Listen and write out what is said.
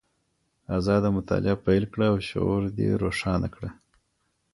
ازاده مطالعه پیل کړه او شعور دې روښانه کړه.